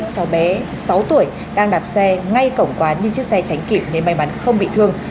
cháu bé sáu tuổi đang đạp xe ngay cổng quán nhưng chiếc xe tránh kịp nên may mắn không bị thương